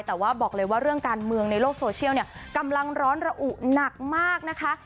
แต่ว่าบอกเลยว่าเรื่องการเมืองในโลกโซเชียลเนี่ยกำลังร้อนระอุหนักมากนะคะ